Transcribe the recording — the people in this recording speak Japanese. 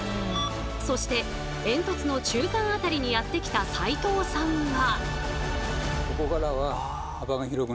そして煙突の中間辺りにやって来た齋藤さんは。